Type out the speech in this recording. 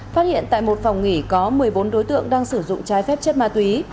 phát hiện tại một phòng nghỉ có một mươi bốn đối tượng đang sử dụng trái phép chất ma túy